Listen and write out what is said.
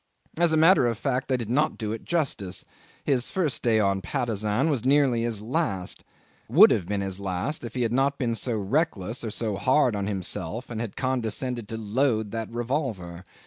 As a matter of fact I did not do it justice; his first day in Patusan was nearly his last would have been his last if he had not been so reckless or so hard on himself and had condescended to load that revolver.